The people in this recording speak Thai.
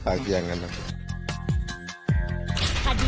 อัศวินธรรมชาติ